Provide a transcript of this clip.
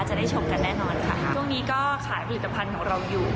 จะได้ชมกันแน่นอนค่ะช่วงนี้ก็ขายผลิตภัณฑ์ของเราอยู่